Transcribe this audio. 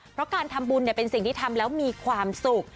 เพราะการทำบุญเป็นสิ่งที่ทำแล้วมีความสุข